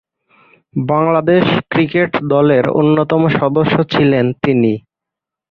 Bangladesh cricket দলের অন্যতম সদস্য ছিলেন তিনি।